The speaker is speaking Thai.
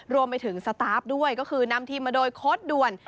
รวมไปถึงสตาร์ฟด้วยก็คือนำทีมมาโดยโค้ดด่วน